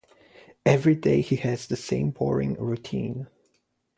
Every day he has the same boring routine.